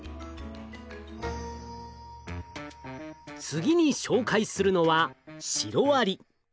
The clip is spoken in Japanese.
次に紹介するのはシロアリ。